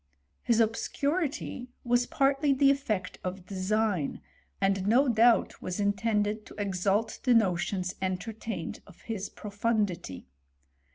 His obscurity was partly the efifect of design, and DO doubt was intended to exalt the notions entertained of his profundity.